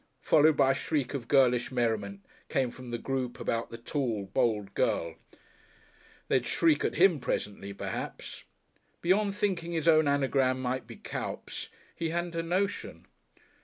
followed by a shriek of girlish merriment, came from the group about the tall, bold girl. They'd shriek at him presently, perhaps. Beyond thinking his own anagram might be Cuyps, he hadn't a notion.